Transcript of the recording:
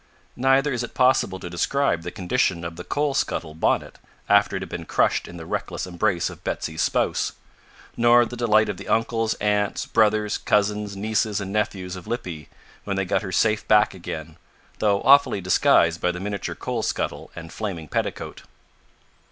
Neither is it possible to describe the condition of the coal scuttle bonnet after it had been crushed in the reckless embrace of Betsy's spouse, nor the delight of the uncles, aunts, brothers, cousins, nieces, and nephews of Lippy, when they got her safe back again, though awfully disguised by the miniature coal scuttle and flaming petticoat.